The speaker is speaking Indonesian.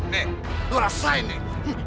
nih lu rasain nih